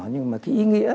nhưng mà cái ý nghĩa